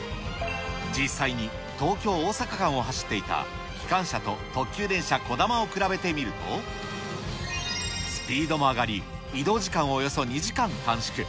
実際に東京・大阪間を走っていた機関車と特急電車こだまを比べてみると、スピードも上がり、移動時間をおよそ２時間短縮。